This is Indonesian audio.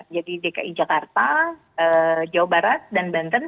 jadi dki jakarta jawa barat dan banten